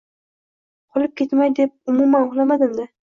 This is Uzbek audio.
Qolib ketmay deb umuman uxlamadim-da